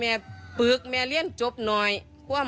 แม่จะมาเรียกร้องอะไร